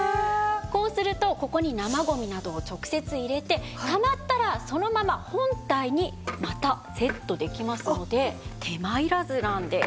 こうするとここに生ゴミなどを直接入れてたまったらそのまま本体にまたセットできますので手間いらずなんです。